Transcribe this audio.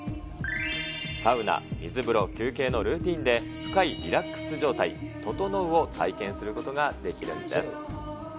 サウナ、水風呂、休憩のルーティンで深いリラックス状態、ととのうを体験することができるんです。